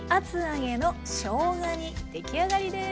出来上がりです。